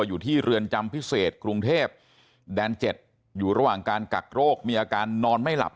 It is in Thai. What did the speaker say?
อยู่ที่เรือนจำพิเศษกรุงเทพแดน๗อยู่ระหว่างการกักโรคมีอาการนอนไม่หลับ